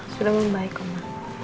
sudah membaik ma